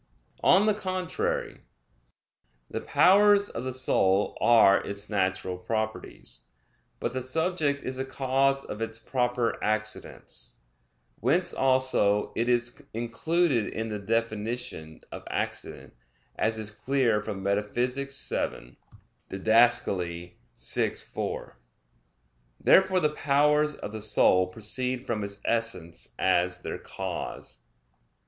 On the contrary, The powers of the soul are its natural properties. But the subject is the cause of its proper accidents; whence also it is included in the definition of accident, as is clear from Metaph. vii (Did. vi, 4). Therefore the powers of the soul proceed from its essence as their cause.